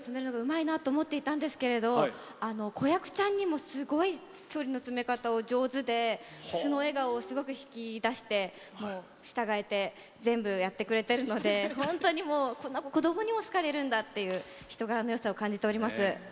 変わらず人との距離を詰めるのがうまいなと思っていたんですけれど子役ちゃんにすごい距離の詰め方上手で素の笑顔を引き出して全部、やってくれているので子どもにも好かれるんだっていう人柄のよさを感じております。